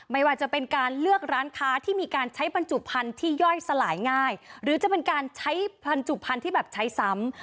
ไม่ว่าจะเป็นการเลือกร้านค้าที่มีการใช้บรรจุพันธุ์ที่ย่อยสลายง่ายหรือจะเป็นการใช้พันจุพันธุ์ที่แบบใช้ซ้ำ